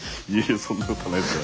そんなことはないです。